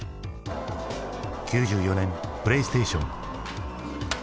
９４年プレイステーション。